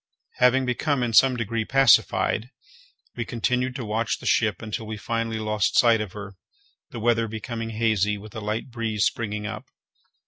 Having become in some degree pacified, we continued to watch the ship until we finally lost sight of her, the weather becoming hazy, with a light breeze springing up.